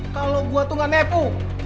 kalau gue tuh gak nepo